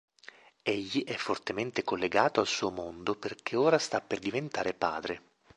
Egli è fortemente collegato al suo mondo perché ora sta per diventare padre.